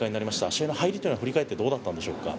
試合の入りを振り返ってどうだったんでしょうか。